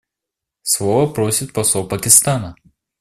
Слова просит посол Пакистана.